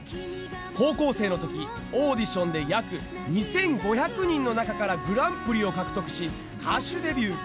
高校生の時オーディションで約２，５００人の中からグランプリを獲得し歌手デビュー。